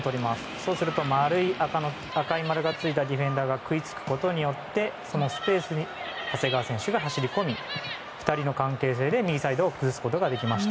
そうすると赤い丸がついたディフェンダーが食いつくことによってそのスペースに長谷川選手が走り込み２人の関係性で右サイドを崩すことができました。